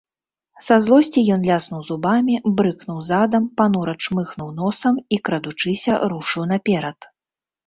Са злосці ён ляснуў зубамі, брыкнуў задам, панура чмыхнуў носам і, крадучыся, рушыў наперад.